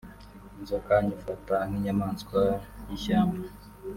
inzoka nyifata nk’inyamaswa y’ishyamba